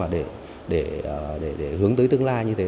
để hướng tới tương lai như thế